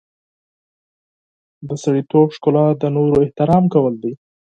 د سړیتوب ښکلا د نورو احترام کول دي.